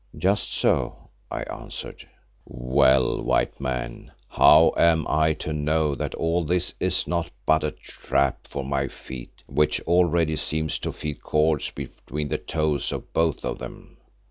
"Just so," I answered. "Well, White Man, how am I to know that all this is not but a trap for my feet which already seem to feel cords between the toes of both of them?